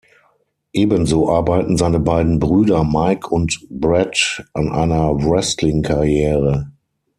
Ebenso arbeiten seine beiden Brüder Mike und Brett an einer Wrestlingkarriere.